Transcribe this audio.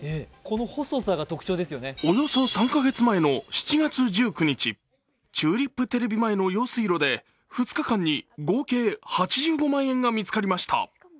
およそ３か月前の７月１９日、チューリップテレビ前の用水路で２日間に合計８５万円が見つかりました。